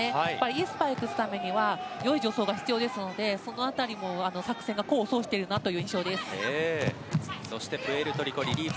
いいスパイクを打つためには良い助走が必要なのでその辺りも作戦が功を奏しているなという印象です。